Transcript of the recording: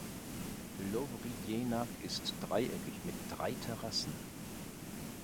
Lovrijenac ist dreieckig mit drei Terrassen.